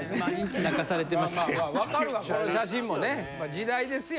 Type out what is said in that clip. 時代ですよ。